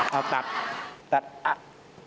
เอาตัดตัดอะ